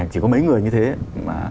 chỉ có mấy người như thế mà